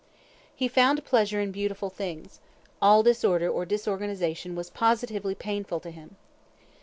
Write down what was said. He found pleasure in beautiful things; all disorder or disorganization was positively painful to him.